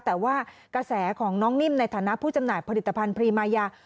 แต่ว่ากระแสของน้องนิ่มในฐานะผู้จำหน่ายผลิตภัณฑ์พรีมายา